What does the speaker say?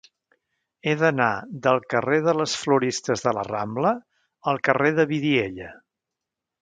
He d'anar del carrer de les Floristes de la Rambla al carrer de Vidiella.